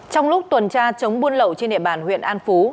trong lúc tuần tra chống buôn lậu trên địa bàn huyện an phú